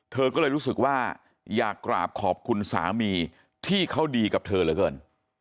เธอก็เลยรู้สึกว่าอยากกราบขอบคุณสามีที่เขาดีกับเธอเหลือเกิน